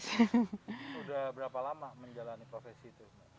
sudah berapa lama menjalani profesi itu